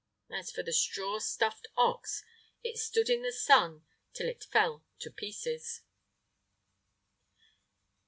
As for the straw stuffed ox, it stood in the sun till it fell to pieces.